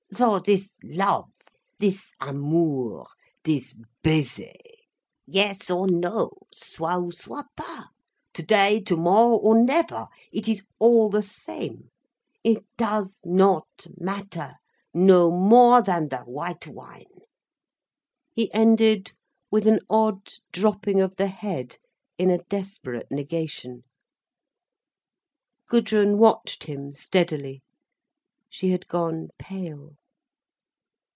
So this love, this amour, this baiser. Yes or no, soit ou soit pas, today, tomorrow, or never, it is all the same, it does not matter—no more than the white wine." He ended with an odd dropping of the head in a desperate negation. Gudrun watched him steadily. She had gone pale.